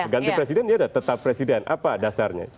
ganti presiden ya udah tetap presiden